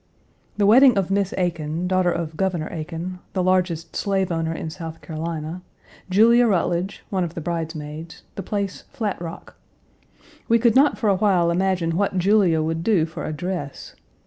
The wedding of Miss Aiken, daughter of Governor Aiken, the largest slave owner in South Carolina; Julia Rutledge, one of the bridesmaids; the place Flat Rock. We could not for a while imagine what Julia would do for a dress.